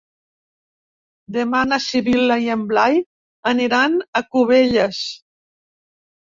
Demà na Sibil·la i en Blai aniran a Cubelles.